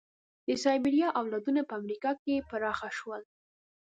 د سایبریا اولادونه په امریکا کې پراخه شول.